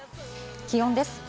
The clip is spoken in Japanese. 気温です。